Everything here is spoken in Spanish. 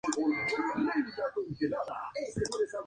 No se sabe como de tóxico es su veneno.